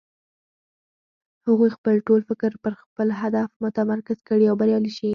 هغوی خپل ټول فکر پر خپل هدف متمرکز کړي او بريالی شي.